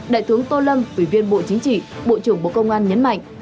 đại tướng tô lâm ủy viên bộ chính trị bộ trưởng bộ công an nhấn mạnh